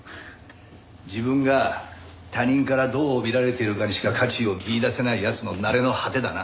自分が他人からどう見られてるかにしか価値を見いだせない奴の成れの果てだな。